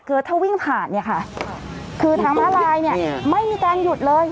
คือถ้าวิ่งผ่านเนี่ยค่ะคือทางม้าลายเนี่ยไม่มีการหยุดเลย